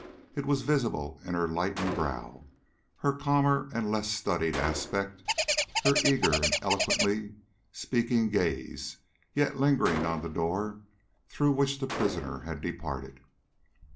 It was visible in her lightened brow, her calmer and less studied aspect, her eager and eloquently speaking gaze yet lingering on the door through which the prisoner had departed.